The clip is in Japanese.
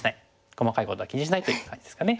細かいことは気にしないという感じですかね。